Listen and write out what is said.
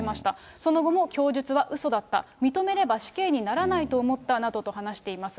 その後も、供述はうそだった、認めれば死刑にならないと思ったなどと話しています。